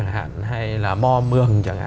hay là mò mường